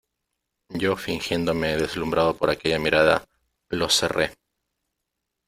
yo fingiéndome deslumbrado por aquella mirada , los cerré .